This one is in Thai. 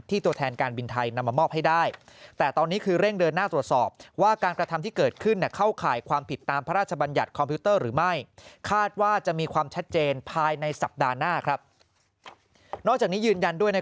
ที่ตัวแทนการบินไทยนำมามอบให้ได้